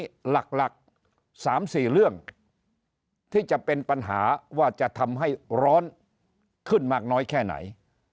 วันนี้หลัก๓๔เรื่องที่จะเป็นปัญหาว่าจะทำให้ร้อนขึ้นมากน้อยแค่ไหน